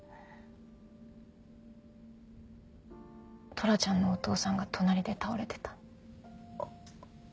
トラちゃんのお父さんが隣で倒れてた。